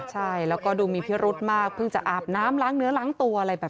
ใช่แล้วก็ดูมีพิรุธมากเพิ่งจะอาบน้ำล้างเนื้อล้างตัวอะไรแบบนี้